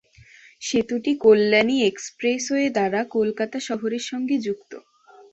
সেতুটি কল্যাণী এক্সপ্রেসওয়ে দ্বারা কলকাতা শহরের সঙ্গে যুক্ত।